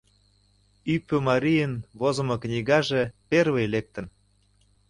Ӱпымарийын возымо книгаже первый лектын.